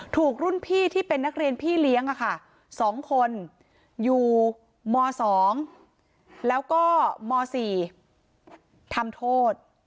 ถูกรุ่นพี่ที่เป็นนักเรียนพี่เลี้ยง๒คนอยู่ม๒แล้วก็ม๔ทำโทษ